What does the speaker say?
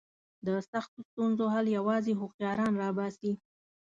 د سختو ستونزو حل یوازې هوښیاران را باسي.